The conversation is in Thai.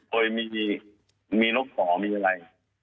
โดยมีนกห่อมีอะไร